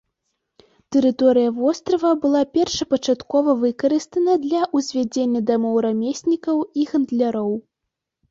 Тэрыторыя вострава была першапачаткова выкарыстана для ўзвядзення дамоў рамеснікаў і гандляроў.